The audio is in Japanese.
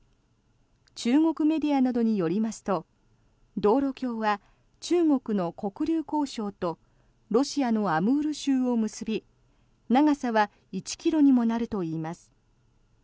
中国メディアなどによりますと道路橋は中国の黒竜江省とロシアのアムール州を結び長さは１ｋｍにもなるといいます。